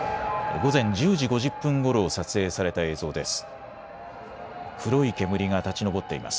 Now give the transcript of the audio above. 午前１０時５０分ごろ撮影された映像です。